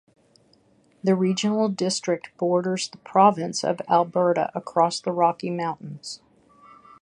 The regional district borders the Province of Alberta across the Rocky Mountains.